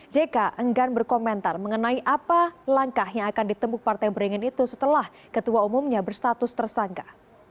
jk enggan berkomentar mengenai apa langkah yang akan ditemuk partai beringin itu setelah ketua umumnya berstatus tersangka